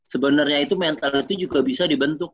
sebenarnya itu mental itu juga bisa dibentuk